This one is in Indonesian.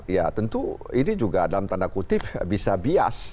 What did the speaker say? ya tentu ini juga dalam tanda kutip bisa bias